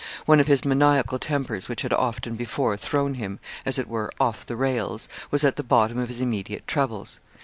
One of his maniacal tempers, which had often before thrown him, as it were, 'off the rails,' was at the bottom of his immediate troubles.